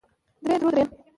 درې درو درېيم